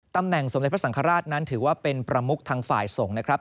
ตำแหน่งสมเด็จพระสังฆราชนั้นถือว่าเป็นประมุกทางฝ่ายส่งนะครับ